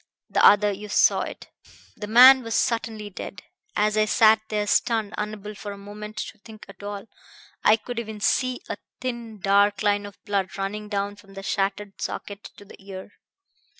The other ... you saw it. The man was certainly dead. As I sat there stunned, unable for the moment to think at all, I could even see a thin dark line of blood running down from the shattered socket to the ear.